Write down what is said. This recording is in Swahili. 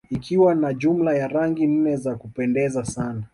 Ikiwa na jumla ya Rangi nne za kupendeza sana